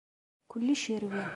Kullec yerwi.